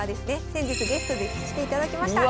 先日ゲストで来ていただきました。